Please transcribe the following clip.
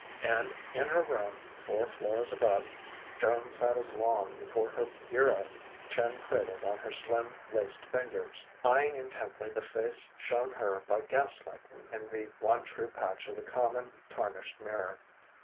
And in her room, four floors above, Joan sat as long before her bureau, chin cradled on her slim, laced fingers, eyeing intently the face shown her by gas light in the one true patch of the common, tarnished mirror.